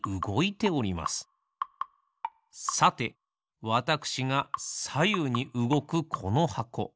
さてわたくしがさゆうにうごくこのはこ。